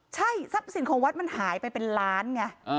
ใช่ทรัพย์สินของวัดมันหายไปเป็นล้านไง